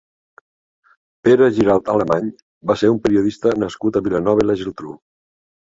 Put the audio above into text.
Pere Giralt Alemany va ser un periodista nascut a Vilanova i la Geltrú.